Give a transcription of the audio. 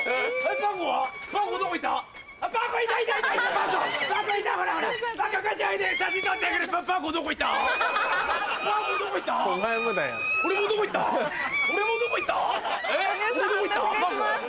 判定お願いします。